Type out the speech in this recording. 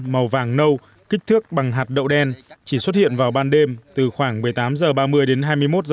màu vàng nâu kích thước bằng hạt đậu đen chỉ xuất hiện vào ban đêm từ khoảng một mươi tám h ba mươi đến hai mươi một h